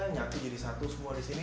nyatu jadi satu semua disini